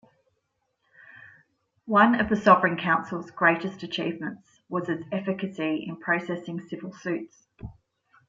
One of the Sovereign Council's greatest achievements was its efficacy in processing civil suits.